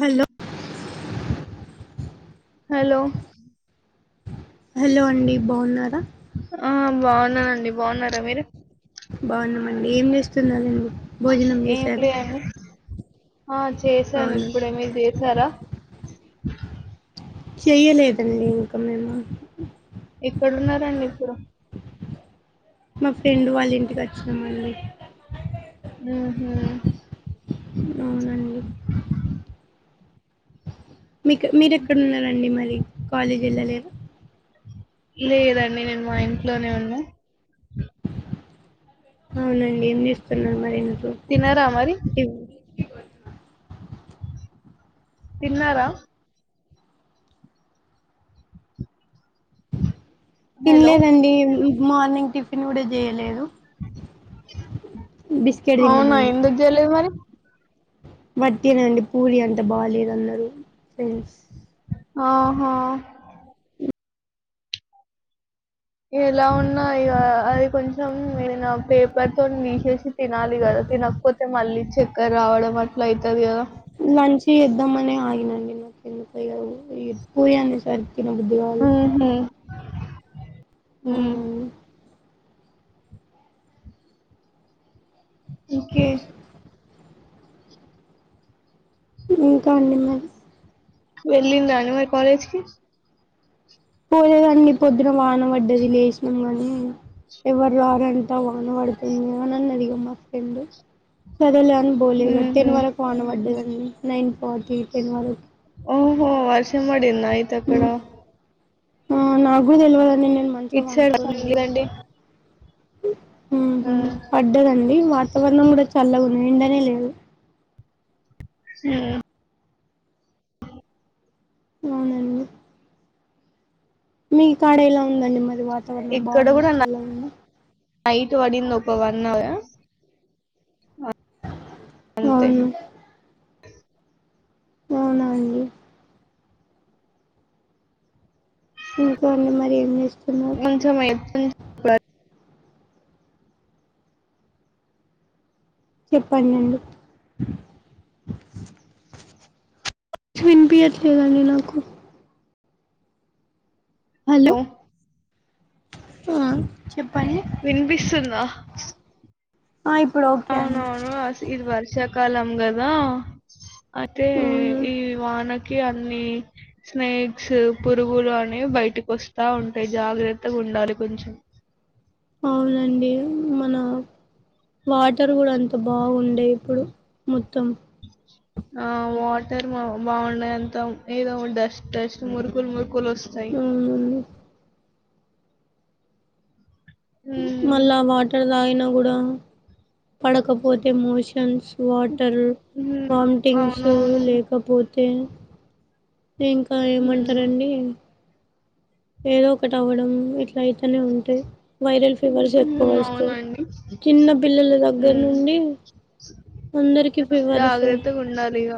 Hello hello hello అండి బావున్నారా ఆ బాగున్ననండి బాగున్నారా మీరు. బాగున్నామండి ఏం చేస్తున్నారు మీరు భోజనం ఏం చేశారా లేదండి ఆ చేశాను అవునా ఇప్పుడే మీరు చేసారా. చెయ్యలేదండి ఇంకా మేము. ఎక్కడున్నారండి ఇప్పుడు. మా ఫ్రెండ్ వాళ్ళ ఇంటికి వచ్చినామండి ఊహూ అవున మీకు మీరెక్కడ ఉన్నారండి మరి కాలేజ్ ల లేరు లేదండి నేను మా ఇంట్లోనే ఉన్నా అవునండి ఏం చేస్తున్నారు మరి ఇంట్లో తిన్నారా మరి తిన్నారా హలో తినలేదండి మార్నింగ్ టిఫ్ తిన్ కూడా చేయలేదు బిస్కెట్ తిన్నామండి చెలేది మరి వటెనండి పూరి అంత బాలేదన్నారు ఫ్రెండ్స్ ఆహ ఎలా ఉన్నా ఇక అది కొంచం ఏనా పేపర్ తోనీ తీసేసి తినాలి కదా తినకపోతే మళ్ళీ చక్కర రావడం అట్ల అవుతుంది కదా లంచ్ ఎద్దమనే ఆగిన నిన కింద పొయి ఇగ పురి అనేసరి. తినబుద్ది కాదు ఊహూ ఊ అవునండి ఇంకే. ఇంకా అండి మరి వెళ్లిండ్రా అండి మరి కలేజ్కి. పోయేదన్ని పొద్దున వాన పడ్డది లేచినాం గానీ ఎవరు రారంతా వాన పడుతుంది అననదిగా మా ఫ్రెండ్ సరే లే అని ఇగ భోలే ఇగ హుహు. టెన్ వరకు వాన వడ్డదండి నైన్ ఫార్టీ టెన్ వరకు ఓహో వర్షం పడింద ఆయిత అక్కడ ఆ నాకు కూడా తెలియదండి నేను మంచిగా ఇటు సైడ్ వనుకోను వర్షం ఉన్నాను లేదండి. ఆ ఉండదండి వాతావరణం కూడా చల్గా ఉండనే లేదు ఊ అవునండి మీ కాడ ఎలా ఉందండి మరి వాన ఎక్కడ కూడా నా నైట్ వడింది ఒక వన్ హౌర్ అవును అవున అండి ఇంకొన్ని మరి ఏం చేస్తున్నారు మంచం వైపు వుంది చెప్పండి అండి చ్చి వినిపియ్యట్లేదండి నాకు హలో వర్షం ఆ చెప్పండి వినిపిస్తుందా ఆ ఇప్పుడు ఓకే అండి అవునవును అస్ ఇద్ వర్షాకాలం గద అయితే అవును ఈ వానకి అన్నిీ స్నేక్స్ పురుగులు అనే బయటికి వస్తా ఉంటాయి జాగ్రత్తగ ఉండాలి కొంచెం ఆవులండి మన వాటర్ కూడ అంత బాగుండే ఇప్పుడు మొత్తం ఆ వాటర్ బాగున్నది అంతా ఏదో డస్ట్ డస్ట్ మురుగులు మురు గులు వస్తాయి అవునండి ఉమ్ మళ్ళా వాటర్ తాగినా కూడ పడకపోతే మోషన్స్ వాటర్ ఉమ్ వామ్టింగ్స్ అవునవును లేక కాకపోతే ఇంకా ఉమ్ ఏమంటరండి ఏదోకటి అవ్వడం ఇట్లా రైతనే ఉంటాయి వైరల్ ఫీవర్స్ ఎక్కువ ఉమ్ వస్తాయి అవునండి చిన్న పిల్లల దగ్ గ్గర్ ఉమ్ నుండి అందరికి ఫీవర్స్ జాగ్రత్తగా ఉండాలి ఇగ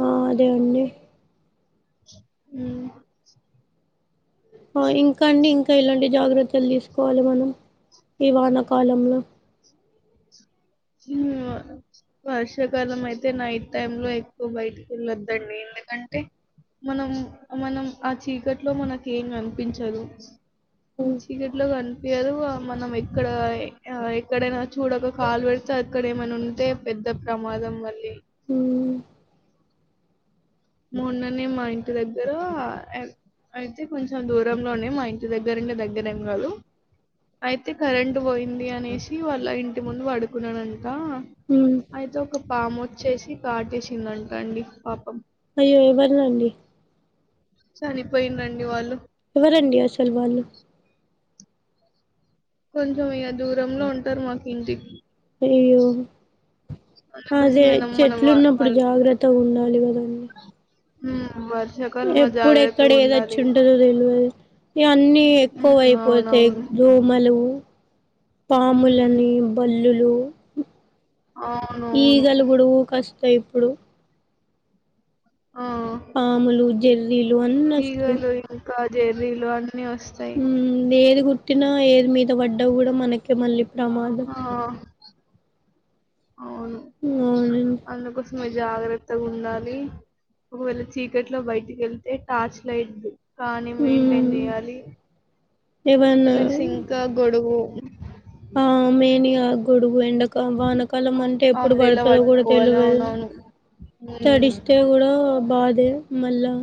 ఆ అదే అండి ఉమ్ ఇంకా అండి ఇంకా ఇలాంటి జాగ్రత్తలు తీసుకోవాలి మనం ఈ వానకాలంలో చిల్ మా వర్షాకాలం అయితే నైట్ టైమ్ లో ఎక్కువ బయటికి వెళ్ళొద్దండి ఎందుకంటే మనం మనం ఆ చీకట్లో మన క్ ఏం అనిపించదు హ్మ్ చీకట్లో కన్ పియదు మనం ఎక్కడ ఎక్కడైనా చూడక కాలు పెడి స్త అక్కడ ఏమైనా ఉంటే పెద్ద ప్రమాదం మళ్ళీ ఉ మొన్ననె మా ఇంటి దగ్గర అయితే కొంచం దూరంలోనే మా ఇంటి దగ్గర ఇంగ దగ్గరేం కాదు అయితే కరెంట్ పోయింది అనేసి వాళ్ళ ఇంటి ముందు పడుకున్నాడ్ అంట హ్మ్ అయితే ఒక పాము వచ్చేసి కాటేసిందంట అండి పాపం అయ్యో ఎమైంది అండి చనిపోయిం రండి వాళ్ళు ఎవరండి అసలు వాళ్లు కొంచం ఇగ దూరంలో ఉంటారు మాకు ఇంటి అయ్యయో అదే అందుకోసమేనా మనం మన చెట్లు వా ఉన్నప్పుడు వాళ్ళ జాగ్రత్తగ ఉండాలి కదండి హు వర్ష ఎప్పుడు ఎక్కడ ఏది వచ్చి ఉంటదో తెల్వదు ఇవన్నీ ఎక్కువ హ్మ్. అయిపోతాయి అవునవును. దోమలు హ్మ్. పాములని బల్లులు అవునవును. ఈగల గుడువు కష్ టయి ఇప్పుడు ఆ పాములు జర్రీలు అన్నీ వస్తయి ఈగలు ఇంకా జెర్రీలు అన్నిీ వస్త ఏది గుట్టినా ఏది మీద పడ్డా కూడ మనకే మళ్ళీ ప్రమాదం ఆ అవును అవునండి అందుకు జాగ్రత్తగా ఉండాలి ఒకవేళ చీకట్లో బయటికి వెళ్తే టార్చ్ లైట్ కానీ మెయింటైన్ మ్మ్ చేయాలి ఏవన్నా ప్లస్ ఇంకా గొడుగు ఆ మెయిన్ ఇగ గొడుగు ఎండ కా వానాకాలం అంటే ఎప్పుడు అంబ్రెల్లా పడుతదో కూడా పట్టుకోవాలి. తెలివదు అవునవును. హ్మ్. తడిస్తే కూడా బాదే మళ్ళా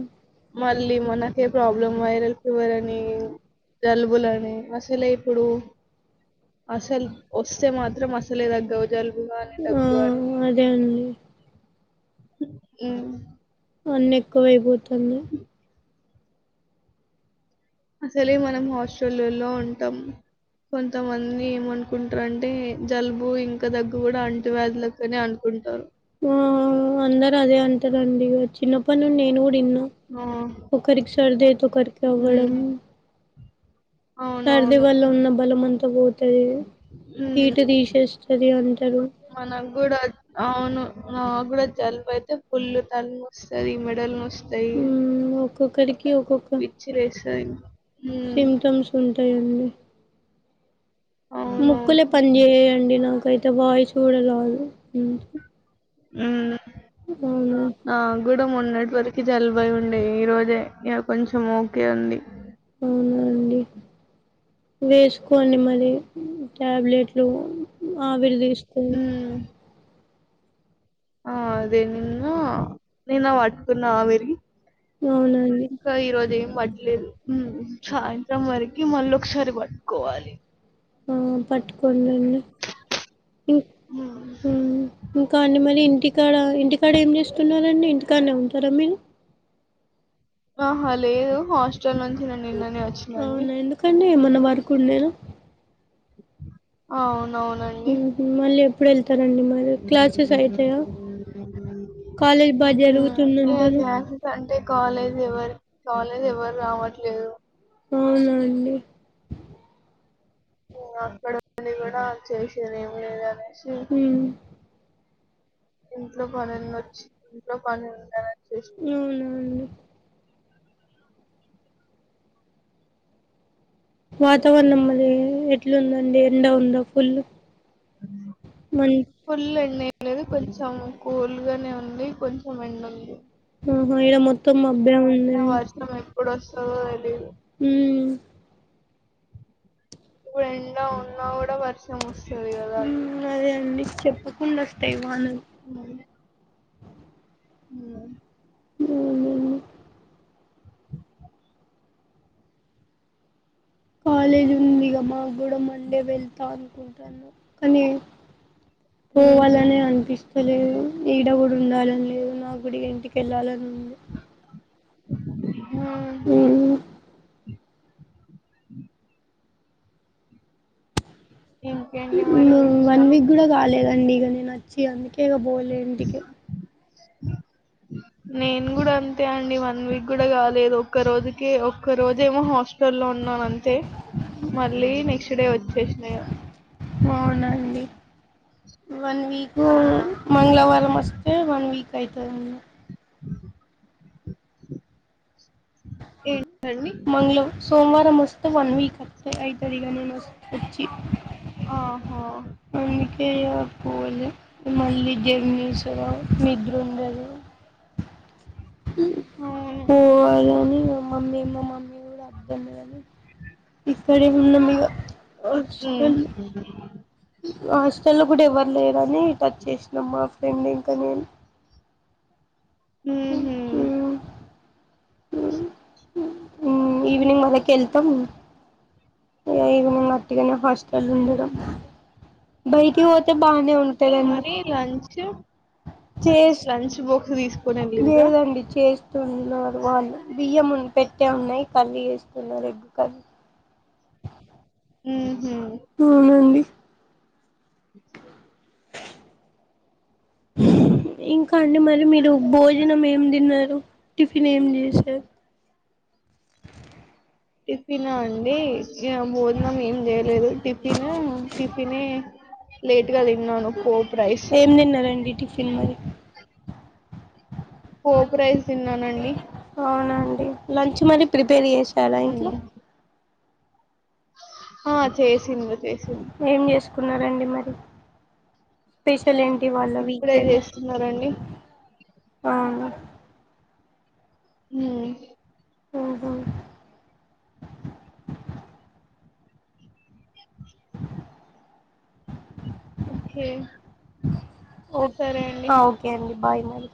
మళ్ళీ మనకే ప్రాబ్లం వైరల్ ఫీవర్ అని జలుబులని అసలే ఇప్పుడు అసలు వస్తే మాత్రం అసలే తగ్గవు జలుబు గానీ ఆ దగ్గు గానీ అదే అండి ఊ అన్నీ ఎక్కువ ఐపోతుంది అసలే మనం హాస్టల్ లల్లో ఉంటాం కొంతమంది ఏమనుకుంటారంటే జలుబు ఇంకా దగ్గు కూడా అంటు వ్యాధుల క్కనే అనుకుంటారు ఊ అందరూ అదే అంటరండి చిన్నప్పటి నుండి నేను కూడా ఇన్నా ఆ, ఒక్కరికి సరదా ఐతే ఒకరికి ఉమ్, అవ్వడం సర్ది అవునవును వల్ల ఉన్న బలం అంతా పోతది ఉమ్, హీటు తీసేస్తది అంటారు మనకు గూడా అవును నాకు కూడా జలుబు అయితే పుల్లు తల నొస్తది మెడలు నొస్ తై మ్మ్ ఒక్కొక్కరికి ఒక్కొక్క పిచ్చి లేస్తది ఉమ్ తుంటాయండి ముక్కులే పని అవునవును చెయ్యండి నాకై తువాయి చూడలాయి ఉమ్ ఊ అవునా నా కూడా మొన్నటి వరకు జలుబై ఉండే ఈ రోజే ఇగ కొంచెం ఓకే ఉంది అవునా అండి వేసుకోండి మరి టాబ్లెట్లు ఆవిరి తీస్ ఊ ఆ అదే నిన్ను నిన్న పట్టుకున్నా ఆవిరి అవునా అండి క ఈరోజు ఏం పట్టలేదు ఉమ్ సాయంత్రం వరకి మళ్ళీ ఒకసారి పట్టుకోవాలి ఆ పట్టుకోనిండి ఇం ఉమ్ ఇంకా అండి మరి ఇంటికాడ ఇంటికాడ ఏం చేస్తున్నారండి ఇంటికాడనే ఉంటారా మీరు ఆహా లేదు హాస్టల్ నుంచి నేను నిన్ననే వచ్చినా అండి కానీ ఏమన్నా వర్కు ఉండేనా అవునవునండి ఉమ్ మళ్ళీ ఎప్పుడు ఎళ్తారండి మళ్ళి క్లాసెస్ అయితాయా కాలేజ్ బాగా ఉమ్ ఇక జరుగుతుదంటును క్లాసెస్ అంటే కాలేజ్ ఎవరు కాలేజ్ ఎవరూ రావట్లేదు అవునా అండి అక్కడ ఉండి కూడా చేసేది ఏం లేదనే ఊ ఇంట్లో పని అని వచ్చి ఇంట్లో పని ఉందని వచ్చేసి అవునా అండి వాతావరణం అది ఎట్లుందండి ఎండ ఉందా ఫుల్లు మన్ ఫుల్ ఎండ ఏం లేదు కొంచెం కూల్గానే ఉంది కొంచెం ఎండుంది ఆహా ఇడ మొత్తం మబ్బే ఉంది ఆ వర్షం ఎప్పుడు వస్తుందో తెలీదు హ ఇప్పుడు ఎండా ఉన్నా కూడా వర్షం వస్తది కదా ఉమ్, అదే అండి చెప్పకుండా వస్తాయి వాన ఉ ఉ ఉ కాలేజీ ఉందిగా మాకు కూడా మండే వెళ్తా అనుకుంటాను కానీ పోవాలని అనిపిస్తలేదు ఈడ కూడా ఉండాలని లేదు నా కూడా ఇంటికిళ్ళాలని ఉంది ఆ ఉ ఇంకేంటి మరి ఉమ్ వన్ విషయాలు వీక్ కూడా కాలేదండి ఇక నేను వచ్చి అందుకే ఇక పోలే ఇంటికి ఆ నేను కూడా అంతే అండి వన్ వీక్ కూడా కాలేదు ఒక్క రోజుకి ఒక్క రోజ ఏమో హాస్ట లు లో ఉన్నాను అంతే మళ్ళీ నెక్స్ట్ డే వచ్చేసినా ఇగ అవున అండి వన్ వీక్ ఆ మంగళవారం వస్తు తే వన్ వీక్ అవుతది ఏంటండి మంగల సోమవారం వస్తే వన్ వకతే అయితది నేను వచ్చి ఆహో అందుకే ఆ ఇగ పోలే మళ్ళీ జర్నీస్ నిద్ర ఉండది అవును పోవాలి కాని మా మమ్మీ మా మమ్మీ కూడా వద్దన్నదని ఇక్కడే ఉన్న మీగా హ్మ్ హాస్టల్ల హాస్టల్ల కూడా ఎవరు లేరుని ఇటు అచ్చేసినాం మా ఫ్రెండ్ ఇంకా నేను ఉహ్ ఉమ్ ఈవినింగ్ వాళ్ళకి వెళ్తాం ఈవినింగ్ అట్టిగనే హాస్ట హ్మ్ ఉండడం బయటికి పోతే బానే ఉంటాదన్నీ మరి లంచ్ చేస్ లంచ్ బాక్స్ తీసుకొని వెళ్ళిండ్రా లేదండి చేస్ చేస్తున్నారు వాళ్ళు బియ్యం పెట్టే ఉన్నాయి కర్రీ చేస్తున్నారు ఎగ్ కర్రీ ఉమ్ హు ఉ ఇంకా అండి మరి మీరు భోజనం ఏం తిన్నారు టిఫిన్ ఏం చేశారు. టిఫిన్ ఆ అండి భోజనం ఏం చేయలేదు టిఫిన్ టిఫిన్ లేట్గా తినను ఏం తిన్నారండి టిఫిన్ మరి పోపు రైస్ తిన్నానండి అవున అండి లంచ్ మరీ ప్రిపేర్ చేసారా ఇంట్లో హ్మ్ ఆ చేసిన్లు చేసింది. ఏం చేసుకున్నారండి మరి స్పెషల్ ఏంటి ఇవాళ వీకెండ్ టున్నారండి. అవును హ మ్ హు ఓకే ఓ సరే అండి ఓకే అండి బాయ్ మరి